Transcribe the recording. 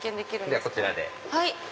ではこちらで。